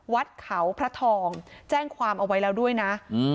วัดเขาพระทองแจ้งความเอาไว้แล้วด้วยนะ